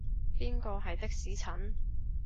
邊個係的士陳？